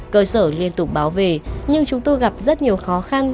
cơ sở liên tục báo về nhưng chúng tôi gặp rất nhiều khó khăn